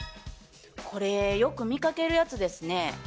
これよく見かけるやつですね。